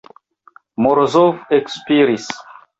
Morozov ekspiris.